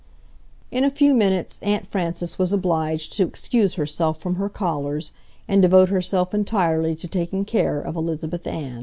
In a few minutes Aunt Frances was obliged to excuse herself from her callers and devote herself entirely to taking care of Elizabeth Ann.